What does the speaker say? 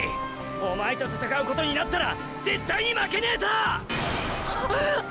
おまえと闘うことになったら絶対に負けねェと！！っ！